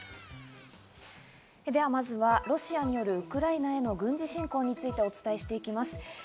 ではまずはロシアによるウクライナへの軍事侵攻についてお伝えしていきます。